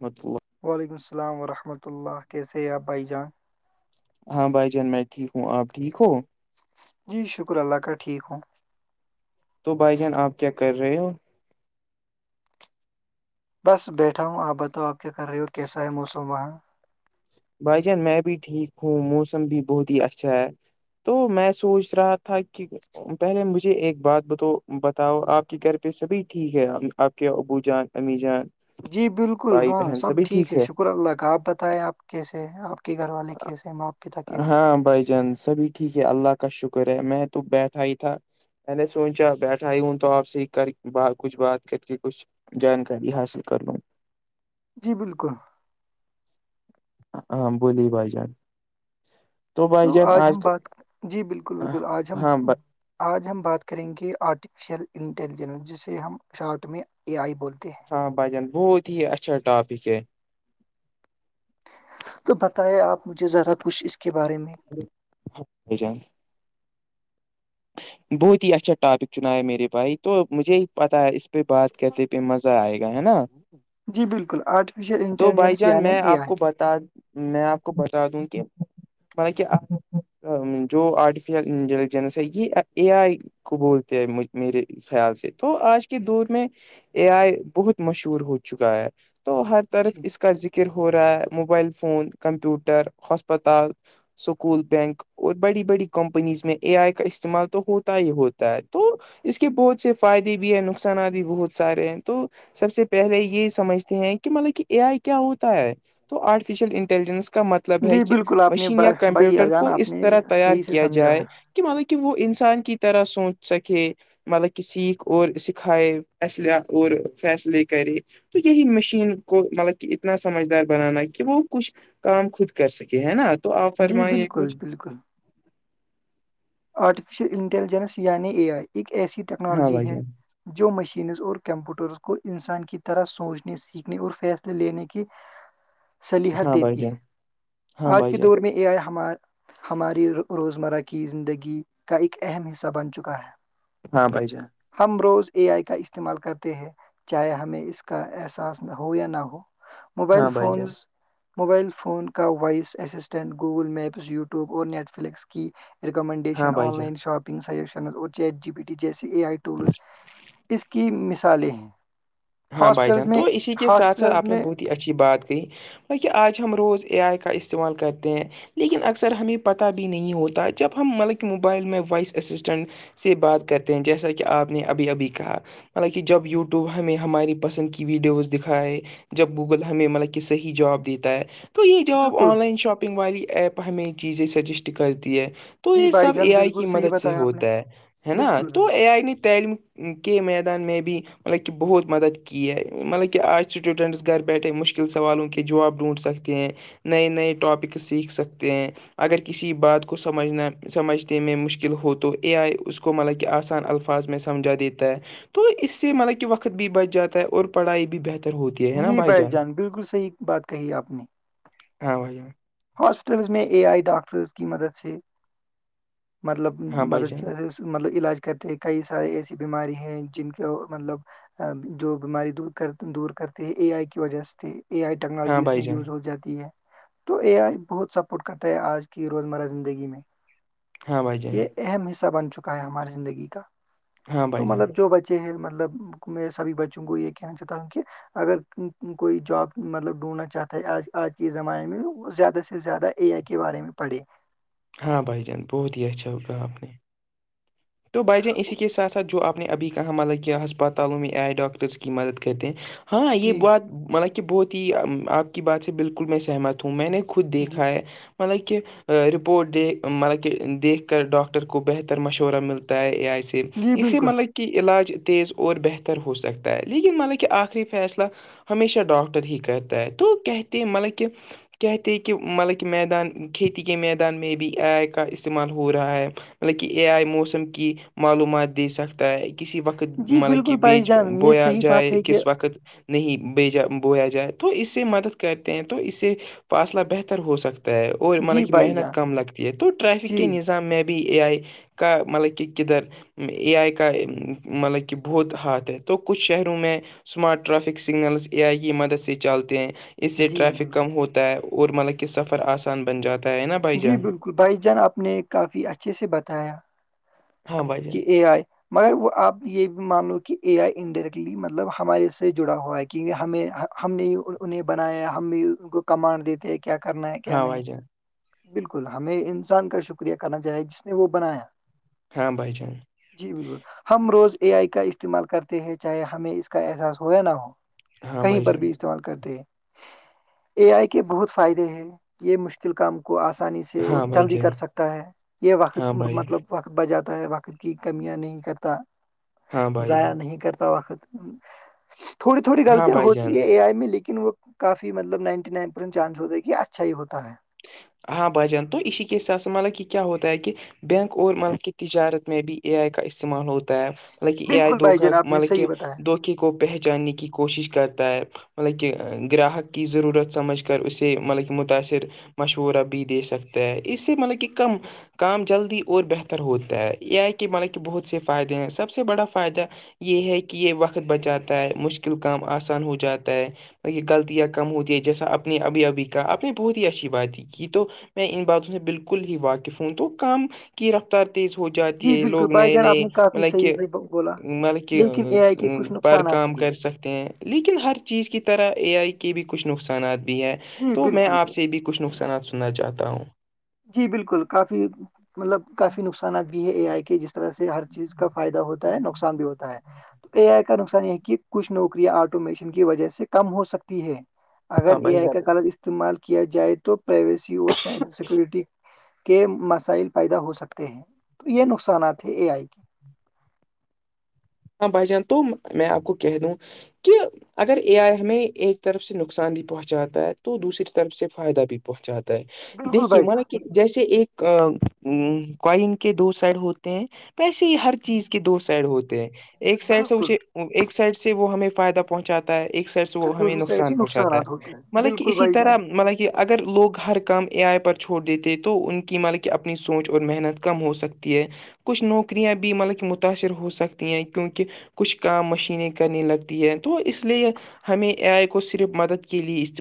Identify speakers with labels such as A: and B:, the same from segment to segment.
A: م وہ
B: وعلیکم السلام ورحمۃ اللہ کیسےیا بھائی جان
A: ہاں بھائی جان میں ٹھیک ہوں آپ ٹھیک ہو
B: جی شکر اللہ کا ٹھیک ہوں
A: تو بھائی جان آپ کیا کر رہے ہو
B: بس بیٹھا ہوں آپ بتاؤ آپ کیا کر رہے ہو کیسا ہے موسم وہاں
A: بھائی جان میں بھی ٹھیک ہوں موسم بھی بہت ہی اچھا ہے تو میں سوچ رہا تھا کہ پہلے مجھے ایک بات ب تو بتاؤ آپ کے گھر پہ سبھی ٹھیک ہے آپ کے ابو جان امی جان
B: جی بالکل
A: بھائی
B: ہاں
A: بہن
B: سب
A: سبھی
B: ٹھیک ہے شکر اللہ کا آپ بتائیں آپ کیسے ہے آپ کی گھر والے کیس ہے ماں پتا کیس ہے
A: جند سبھی ٹھیک ہے اللہ کا شکر ہے میں تو بیٹھا ہی تھا میں نے سوچا بیٹھا ہی ہوں تو آپ سے ہی کر ب کچھ بات کر کے کچھ جانکاری حاصل کر لوں
B: جی بالکل
A: ہاں بولی بھائی جان
B: تو آج ہم بات جی بالکل بالکل آج ہم
A: ہاں ب
B: آج ہم بات کریں گے آرٹیفیشیل انٹیلیجنس جسے ہم اس ش آارٹ میں اے آئی بولتے ہیں
A: ہاں بھائی جان بہت ہی اچھا ٹاپک ہے
B: تو بتائیں آپ مجھے ذرا کچھ اس کے بارے میں
A: جان بہت ہی اچھا ٹاپک چنا ہے میرے بھائی تو مجھے ہی پتاہ ہے پ بات کرتے پہ مزہ آئے گا ہے نا
B: جی بالکل آرٹیفیشیل
A: تو بھائی
B: انٹیلیجنس
A: جان
B: یعنی
A: میں
B: اے
A: آپ
B: آئی
A: کو بتا میں آپ کو بتا دوں کہ مط کہ آ جو آرٹیفیشل انٹیلیجنس ہے یہ اے آئی کو بولتے ہیں میرے خیال سے تو آج کے دور میں اے آئی بہت مشہور ہو چکا ہے تو ہر
B: جی
A: طرف اس کا ذکر ہو رہا ہے mobile phone computer hospital school bank اور بڑی بڑی کمپنیز میں اے آئی کا استعمال تو ہوتا ہی ہوتا ہے تو اس کے بہت سے فائدے بھی ہیں نقصانات بھی بہت سارے ہیں تو سب سے پہلے یہ سمجھتے ہیں کہ مطلب کہ اے آئی کیا ہوتا ہے تو آرٹیفیشل انٹیلیجنس کا مطلب ہے
B: جی
A: کہ
B: بالکل، آپ نے
A: مشین
B: با
A: یا
B: بھائی
A: کمپیوٹر
B: اذان
A: کو
B: آپ
A: اس
B: نے
A: طرح تیار
B: صحیح سے
A: کیا
B: سمجھا
A: جائے
B: ہے۔
A: کہ مطلب کہ وہ انسان کی طرح سوچ سکے مطلب کہ سیکھ اور سکھائے اصلح اور فیصلے کرے تو یہی مشین کو مطلب کہ اتنا سمجھدار بنانا کہ وہ کچھ کام خود کر سکے ہے نا تو آپ
B: جی
A: فرمائیے
B: بالکل،
A: کچھ
B: بالکل۔ آرٹیفیشیل انٹیلیجنس یعنی اے آئی ایک ایسی
A: ہاں
B: ٹیکنالوجی
A: بھائی
B: ہے
A: جان
B: جو مشینز اور کمپیوٹرس کو انسان کی طرح سوچنے سیکھنے اور فیصلے لینے کے
A: [inaudible]
B: سلیحت
A: ہاں بھائی
B: دیتی ہے
A: جان ہاں
B: آج
A: بھائی
B: کے
A: جان
B: دور میں اے آئی ہمار ہماری روزمرہ کی زندگی کا ایک اہم حصہ بن چکا ہے
A: ہاں بائی جے
B: ہم روز اے آئی کا استعمال کرتے ہیں چاہے ہمیں اس کا احساس ہو یا نہ ہو موبائل
A: ہاں بھائی جان
B: فونز موبائل فون کا voice assistant Google maps YouTube اور نیٹ فلکس کیڈ
A: ہاں بھائی
B: آن
A: جان
B: لائن شاپنگ سجیشن اور چیٹ جی بی ٹی جیسی اے آئی ٹولز اس کے کی مثالیں ہیں
A: ہاں بھائی
B: ہاسپٹلز
A: جان تو
B: میں
A: اسی کے ساتھ ساتھ
B: ہاسپٹلز
A: آپ نے
B: میں
A: بہت ہی اچھی بات کہی بہ آج ہم روز اے آئی کا استعمال کرتے ہیں لیکن اکثر ہمیں پتہ بھی نہیں ہوتا جب ہم مطلب موبائل میں وائس اسسٹنٹ سے بات کرتے ہیں جیسا کہ آپ نے ابھی ابھی کہا مطانہ جب یوٹیوب ہمیں ہماری پسند کی ویڈیوز دکھائے جب گوگل ہمیں مطلب کہ صحی جواب دیتا ہے تو یہ جواب
B: بالکل
A: آن لائن شاپنگ والی ایپ ہمیں چیزیں سجیسٹ کرتی ہے تو
B: جی
A: یہ
B: بھائی
A: سب
B: جان
A: اے آئی
B: بالکل
A: کی
B: صحیح
A: مدد سے
B: بتایا آپ نے
A: ہوتا ہے ہے نا
B: بالکل
A: تو
B: بالکل
A: اے آئی نے تعلیم کے میدان میں بھی ملب بہت مدد کی ہے مطلب کہ آج اسٹوڈنٹس گھر بیٹھے مشکل سوالوں کے جواب ڈھونڈ سکتے ہیں نئے نئے ٹاپک سیکھ سکتے ہیں اگر کسی بات کو سمجھنا سمجھنے میں مشکل ہو تو اے آئی اس کو مطلب کہ آسان الفاظ میں سمجھا دیتا ہے تو اس سے مطب کہ وقت بھی بچ جاتا ہے اور پڑھائی بھی بہتر ہوتی ہے ہے نا
B: جی بھائی جان بالکل صحیح بات کہی آپ نے
A: ہاں بھائی
B: ہاسپٹلس میں اے آئی ڈاکٹرس کی مدد سے مطلب
A: ہاں بھائی
B: مدد
A: جان
B: کی وجہ سے مطلب علاج کرتے ہیں کئی سارے ایسی بیماری ہیں جن کو مطلب جو بیماری دور دور کرتے ہیں اے آئی کی وجہ سے اے آئی
A: ہاں
B: ٹیکنالوجی اس
A: بھائی
B: میں
A: جان
B: یوز ہو جاتی ہے تو اے آئی بہت سپورٹ کرتا ہے آج کی روزمرہ زندگی میں
A: ہاں بھائی ج
B: یہ اہم حصہ بن چکا ہے ہماری زندگی کا
A: ہاں
B: تو
A: بھائی جان
B: مطلب جو بچے یہ ہے مطلب میں سبھی بچوں کو یہ کہنا چاہتا ہوں کہ اگر کوئی جاب مطلب ڈھونڈنا چاہتا ہےج آج کے زمانے میں زیادہ سے زیادہ اے آئی کے بارے میں پڑھے
A: ہاں بھائی جان بہت ہی اچھا ہوگاپ نے تو بھائی جان اسی کے ساتھ ساتھ جو آپ نے ابھی کہاں مطب کیا ہسپتالوں میں آئے ڈاکٹرس کی مدد کرتے ہیں ہاں یہ
B: جی
A: بات مطل کہ بہت ہی آپ کی بات سے بالکل میں سہمت ہ میں نے خود
B: جی
A: دیکھا ہے مطلب کہ رپورٹ دیک مطلب کہ دیکھ کر ڈاکٹر کو بہتر مشورہ ملتا ہوتا ہے ے
B: جی
A: اسے
B: بالکل
A: مطلب کہ علاج تیز اور بہتر ہو سکتا ہے لیکن مطلب کہ آخری فیصلہ ہمیشہ ڈاکٹر ہی کہتا ہے تو کہتے ہیں مطلب کہ کہتے ہیں کہ مطلب کہ میدان کھیتی کے میدان میں بھی آے کا استعمال ہو رہا ہے مطلب کہ اے آئے موسم کی معلومات دے سکتا ہے کسی وقت
B: جی
A: مطلب
B: بالکل
A: کہ
B: بھائی
A: بیچ
B: جان یہ
A: بویاں
B: صحیح بات
A: جائےائے
B: ہے کہ
A: کس وقت نہیں بیجا بویا جائے تو اس سے مدد کرتے ہیں تو اس سے فاصلہ بہتر ہو سکتا ہے اور
B: جی
A: مطلب کہ
B: بھائی
A: محنت
B: جان
A: کم لگتی ہے تو ٹریفک
B: جی
A: کے نظام میں بھی اے آئی کا مطلب کہ کدھر اے آئی کا مطلب کہ بہت ہاتھ ہے تو کچھ شہروں میں smart traffic signals A I کی مدد سے چلتے ہیں اس سے
B: جی
A: ٹریفک
B: بالکل
A: کم ہوتا ہے اور مطلب کہ سفر آسان بن جاتا ہے نا بھائی جان
B: ل بھائی جان آپ نے کافی اچھے سے بتایا
A: ہاں بھائی جان
B: کہ ا آئی مگر وہ آپ یہ بھی مان لو کہ اے آئی انڈائریکٹلی مطلب ہمارے سے جڑا ہوا ہے کیونکہ ہمیں ہم نے انہیں بنایا ہے ہم بھی ان کو کمانڈ دیتے ہیں کیا کرنا ہے کیا
A: ہاں
B: نہیں
A: بھائی جان
B: بالکل ہمیں انسان کا شکریہ کرنا چاہیے جس نے وہ بنایا
A: ہاں بھائی جان [unintelligible]
B: جی بالکل ہم روز اے آئی کا استعمال کرتے ہیں چاہے ہمیں اس کا احساس ہو یا نہ ہو
A: ہاں
B: کہیں
A: بھائی
B: پر
A: جان
B: بھی استعمال کرتے ہیں اے آئی کے بہت فائدے ہیں یہ مشکل کام کو آسانی سے سے اور
A: ہاں بھائی
B: جلدی
A: جان
B: کر سکتا ہے یہ
A: ہاں
B: وقت
A: بھائی
B: مطلب وقت بجاتا ہے وقت کی کمیاں نہیں کرتا
A: ہاں بھائی
B: ضائع نہیں کرتا وقت ہ تھوڑی تھوڑی
A: ہاں
B: غلطیاں
A: بھائی جان
B: ہوتی ہے اے آئی میں لیکن وہ کافی مطلب نائنٹی نائن پرینٹ چانس ہوتا ہے کہ اچھا ہی ہوتا ہے
A: ہاں بھجان تو اسی کے حساب سے مطلب کہ کیا ہوتا ہے کہ بینک اور ملک کی تجارت میں بھی اے آئی کا استعمال ہوتا ہے مطلب کہ ا آئے
B: بالکل بھائی
A: دھوکا
B: جان آپ نے
A: مطلب کہ
B: صحیح بتایا
A: دھوکے کو پہچاننے کی کوشش کرتا ہے مطلب کہ گراہک کی ضرورت سمجھ کر اسے مطلب کہ متاثر مشورہ بھی دے سکتا ہے اس سے مطلب کہ کم کام جلدی اور بہتر ہوتا ہے یہ آئی کہ مانا کہ بہت سے فائدے ہیں سب سے بڑا فائدہ یہ ہے کہ یہ وقت بچاتا ہے مشکل کام آسان ہو جاتا ہے یہ غلطیاں کم ہوتی ہے جیسا اپنی ابھی ابھی کہ اپنی بہت ہی اچھی بات ہے کی تو میں ان باتوں سے بالکل ہی واقف ہوں تو کام کی رفت ر تیز ہو
B: جی
A: جاتی ہے
B: بالکل
A: لوگ
B: بھائی
A: نئے
B: جان آپ
A: نئے
B: نے کافی
A: مطلب
B: صحیح
A: کہ
B: سے بولا
A: مطلب کہ
B: لیکن اے آئی کے کچھ
A: پر
B: نقصانات
A: کا
B: بھی
A: کر سخ [unintelligible] ہیں لیکن ہر چیز کی طرح اے آئی کے بھی کچھ نقصانات بھی ہیں
B: جی
A: تو میں
B: بالکل
A: آپ سے بھی کچھ کہنا سننا چاہتا ہوں [unintelligible]
B: جی بالکل کافی مطلب کافی نقصانات بھی ہے اے آئی کے جس اس طرح سے ہر چیز کا فائدہ ہوتا ہے نقصان بھی ہوتا ہے تو اے آئی کا نقصان یہ کہ کچھ نوکریاں آٹومیشن کی وجہ سے کم ہو سکتی ہے اگر
A: ہاں
B: اے
A: بھائی
B: آئی
A: جان
B: کا غلط استعمال کیا جائے تو پرائیویسی اور سائبر سیکورٹی کے مسائل پیدا ہو سکتے ہیں تو یہ نقصانات ہیں اے آئی کی
A: ہاں بھائی جان تو میں آپ کو کہہ دوں کہ اگر اے آئی ہمیں ایک طرف سے نقصان بھی پہنچاتا ہے تو دوسری طرف سے فائدہ بھی پہنچاتا ہے
B: بالکل
A: دیکھیے
B: بھائی
A: مانا
B: جان
A: کہ جیسے ایک کوئن کے دو سائڈ ہوتے ہیں پیسے ہی ہر چیز کے دو سائڈ ہوتے ہیں ایک سائڈ سے
B: بالکل
A: اسے ایک سائڈ سے وہ ہمیں فائدہ پہنچاتا ہے ایک سڈ سے وہ ہمیں
B: دوسری سائڈ
A: نقصان
B: سے
A: پہنچاتا
B: نقصانات ہوتے
A: ہے
B: ہیں
A: مطلب کہ
B: بالکل
A: اسی
B: بھائی
A: طرح
B: جان
A: مطلب کہ اگر لوگ ہر کام اے آئی پر چھوڑ دیتے تو ان کی ملب کہ اپنی سوچ اور محنت کم ہو سکتی ہے کچھ نوکریاں بھی مطلب کہ متاثر ہو سکتی ہیں کیونکہ کچھ کام مشینیں کرنے لگتی ہے تو اس لیے ہمیں ا آئی کو صرف مدد کے لیے اس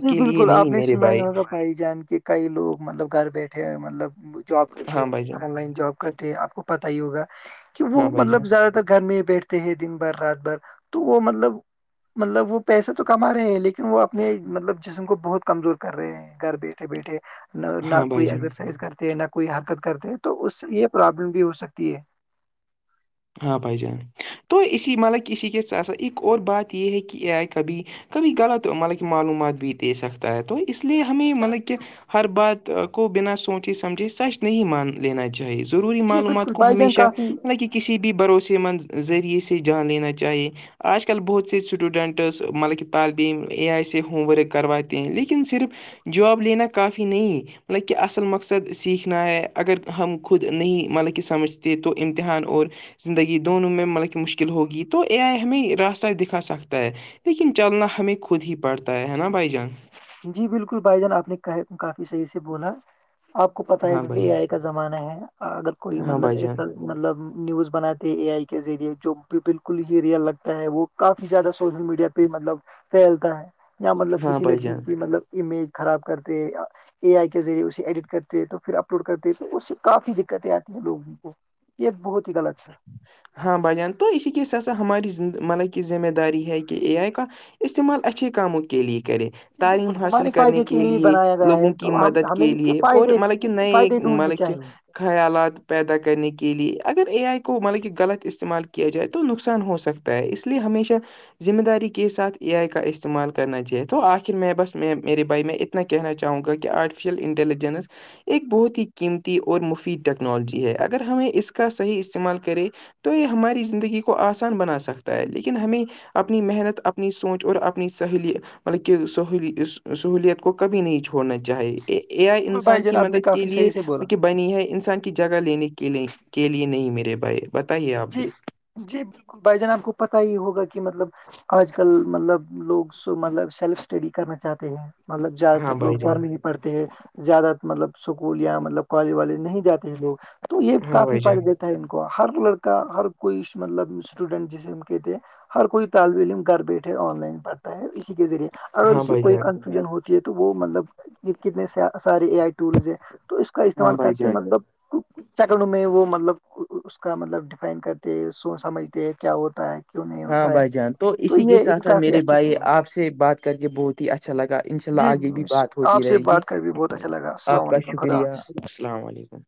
B: جی
A: کے لیے
B: بالکل آپ
A: نہیں
B: نے
A: میرے
B: سنا
A: بھائی
B: یہاں کا خھائی جان کے کئی لوگ مطلب گھر بیٹھے مطلب جاب کرتے
A: ہاں بھائی جان
B: آن لائن جاب کرتے آپ کو پتا ہی ہوگا کہ
A: ہاں
B: وہ
A: بھائی
B: مطلب
A: جان
B: زیادہ مب گھر میں بیٹھتے ہیں دن بھر رات بھر تو وہ مطلب مطلب وہ پیسہ تو کما رہے ہیں لیکن وہ اپنے مطلب جسم کو بہت کمزور کر رہے ہیں گھر بیٹھے بیٹھے نہ نہ
A: ہاں بھائی
B: کوئی
A: جان
B: ایکسرسائز کرتے ہیں نہ کوئی حرکت کرتے ہیں تو اس سے یہ پرابلم بھی ہو سکتی ہے
A: ہاں بھائی جان تو اسی مطلب کہ اسی کے ساسا ایک اور بات یہ ہے کہ کبھی کبھی غلط مطلب کہ معلومات بھی دے سکتا ہے تو اس لیے ہمیں مطلب کہ ہر بات بنا سوچے سمجھے سچ نہیں مان لینا چاہی ضروری
B: جی
A: معلومات
B: بالکل
A: کو
B: بھائی جان
A: ہمیشہ
B: کافی
A: مطل کسی بھی بھروسے مند ذریعے سے جان لینا چاہیے آج کل بہت سے اسٹوڈنٹس مطلب کہ تعلیبم اے آئی سے ہوم ورک کرواتے ہیں لیکن صرف جواب لینا کافی نہیں مطلب کہ اصل مقصد سیکھنا ہے اگر ہم خود نہیں مطلب کہ سمجھتے تو امتحان اور زندگی دونوں میں مطلب کہ مشکل ہوگی تو اے آئی ہمیں راستہ دکھا سکتا ہے لیکن چلنا ہمیں خود ہی پڑتا ہے نا بھائی جان
B: جی بالکل بھائی جان آپ نے کافی صحیح سے بولا آپ کو پتا ہے
A: ہاں
B: کیکہ
A: بھائی
B: یہ آئے کا زمانہ ہے اگر کوئی
A: ہاں
B: مطلب
A: بھائی جان
B: ایسا مطلب نیوز بناتے اے آئی کے ذریعے جو بالکل ہی ریئل لگتا ہے وہ کافی زیادہ سوشل میڈیا پہ ہی مطلب پھیلتا ہے یا مطلب
A: ہاں
B: کسی ل
A: بھائی جان
B: بھی مطلب امیج خراب کرتے اے آئی کے ذریعے اسے ایڈٹ کرتے تو پھر اپلوڈ کرتے تو اس سے کافی دقتیں آتی ہیں لوگوں کو یہ بہت ہی غلط ہے
A: ہاں بھائی جان تو اسی کی سسا ہماری مطلب کی ذمہ داری ہے کہ اے آئی کا استعمال اچھی کاموں کے لے کرے
B: جی
A: تعلیم
B: بالکل
A: حاصل
B: ہمارے
A: کرنے
B: فائدے
A: کے لیے
B: بنایا گیا ہے
A: لوگوں کی
B: تو ہم
A: مدد
B: ہمیں
A: کے
B: اس
A: لیے اور
B: فائدے
A: ملب نئے
B: فائدے ڈھونڈنے
A: مطلب کہ
B: چاہیے
A: خیالات پیدا کرنے کے لیے اگر اے آئی کو مطلب کہ غلط استعمال کیا جائے تو نقصان ہو سکتا ہے اس لیے ہمیشہ ذمہ داری کے ساتھ اے آئی کا استعمال کرنا چاہے تو آخر میں بس میں میرے بھائی میں ا انا کہنا چاہوں گا کہ آرٹیفیشیل انٹیلیجنس ایک بہت ہی قیمتی اور مفید ٹیکنالوجی ہے اگر ہمیں اس کا صحیح استعمال کرے تو یہ ہماری زندگی کو آسان بنا سکتا ہے لیکن ہمیں اپنی محنت اپنی سوچ اور اپنی سہیلیت مطلب کہ سہوولت کو کبھی نہیں چھوڑنا چاہی ا
B: بالکل
A: انسان
B: بھائی
A: کی
B: جان آپ نے
A: مدد کے
B: کافی صحیح سے بولا
A: لیے بنی ہے انسان کی جگہ لینے کے لیے کے لیے نہیں میرے بھائی بتائیے آپ بھی
B: جی جی بالکل بھائی جان آپ کو پتا ہی ہوگا کہ مطلب آج کل مطلب لوگ س مطلب سیلف اسٹڈی کرنا چاہتے ہیں مطلب زیادہ
A: ہاں
B: تر لو
A: بھائی جان
B: گھر میں نہیں پڑھتے ہیں زیادہ مطلب اسکول یا مطلب کالج والج نہیں جاتے ہیں لوگ تو یہ
A: ہاں
B: کافی
A: بھائی جان
B: فائدہ دیتا ہے ان کو ہر لڑکا ہر کوئی مطلب اسٹوڈنٹ جسےم کہتے ہر کوئی طالب علم گھر بیٹھے آن لائن پڑھتا ہے اسی کے ذریعے اگر
A: ہاں
B: اس سے
A: بھائی
B: کوئی
A: جان
B: کنفیوژن ہوتی ہے تو وہ مطلب کتنے سارے اے آئی ٹولز ہیں تو اس کا
A: ہاں
B: استعمال
A: بھائی
B: کرتے
A: جان
B: مطلب چکر میں وہ مطلب اس کا مطلب ڈفائن کرتے سو سمجھتے ہیں کیا ہوتا ہے کیوں نہیں
A: ہاں
B: ہوتا ہے
A: بھائی جان تو اسی کے
B: یہ ایک
A: ساتھ ساتھ
B: کافی
A: میرے
B: اچھی
A: بھائی
B: چیز ہے
A: آپ سے بات کر کے بہت ہی اچھا لگا انشاء اللہ
B: جی
A: آگے بھی بات ہوتی
B: آپ سے
A: رہے گی
B: بات کر بھی بہت اچھا لگا
A: آپ
B: السلام
A: کا
B: علیکم خدا حافظ
A: شکریہ السلام علیکم